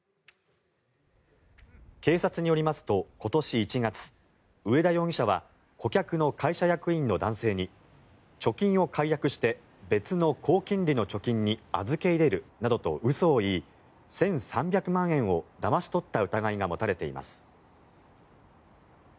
警察によりますと今年１月上田容疑者は顧客の会社役員の男性に貯金を解約して別の高金利の貯金に預け入れるなどと嘘を言い１３００万円をだまし取った疑いが持たれています。